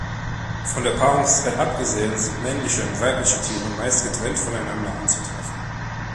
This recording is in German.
Von der Paarungszeit abgesehen sind männliche und weibliche Tiere meist getrennt voneinander anzutreffen.